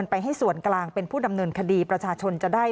ตามของเขาประตามกฏหมายุ่ท